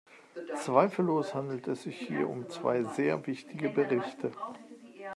Zweifellos handelt es sich hier um zwei sehr wichtige Berichte.